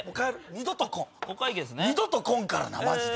二度と来んからなマジで。